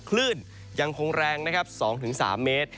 คลื่นยังคงแรงนะครับ๒๓เมตร